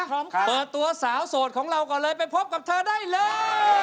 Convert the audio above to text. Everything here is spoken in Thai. พร้อมค่ะเปิดตัวสาวโสดของเราก่อนเลยไปพบกับเธอได้เลย